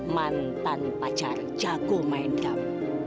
mantan pacar jago main drum